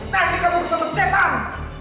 nanti kamu kesempatan setan